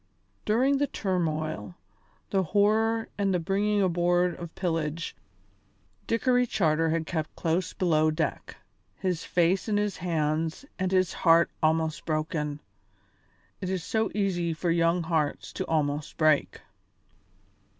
During the turmoil, the horror and the bringing aboard of pillage, Dickory Charter had kept close below deck, his face in his hands and his heart almost broken. It is so easy for young hearts to almost break.